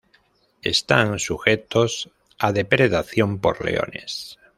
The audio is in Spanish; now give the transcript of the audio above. Están sujetos a depredación por leones.